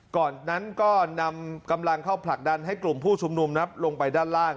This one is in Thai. ก่อนนั้นก็นำกำลังเข้าผลักดันให้กลุ่มผู้ชุมนุมลงไปด้านล่าง